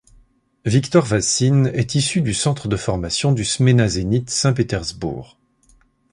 Viktor Vassine est issu du centre de formation du Smena-Zénith Saint-Pétersbourg.